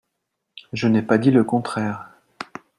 Je n’ai pas dit le contraire